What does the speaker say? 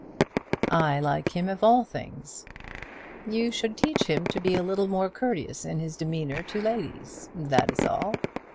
"I like him of all things." "You should teach him to be a little more courteous in his demeanour to ladies; that is all.